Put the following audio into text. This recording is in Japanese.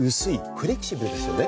フレキシブルですよね。